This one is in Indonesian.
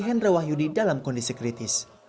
hendra wahyudi dalam kondisi kritis